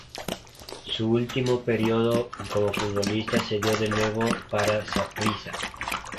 Su último periodo como futbolista se dio de nuevo para Saprissa.